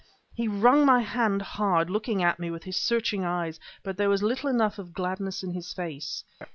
He wrung my hand hard, looking at me with his searching eyes; but there was little enough of gladness in his face.